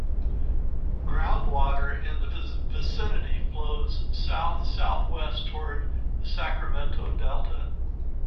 Groundwater in the vicinity flows south-southwest toward the Sacramento Delta.